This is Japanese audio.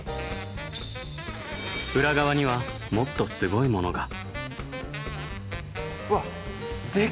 裏側にはもっとすごいものが。